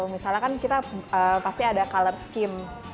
misalkan kita pasti ada color scheme